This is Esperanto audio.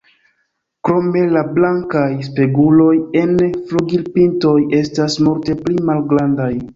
Krome la blankaj “speguloj” en flugilpintoj estas multe pli malgrandaj.